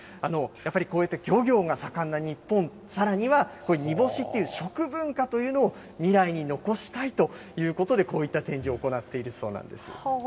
やっぱりこうやって漁業が盛んな日本、さらには煮干しという食文化というのを未来に残したいということで、こういった展示を行っているそうなんです。